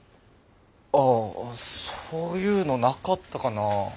あぁそういうのなかったかな。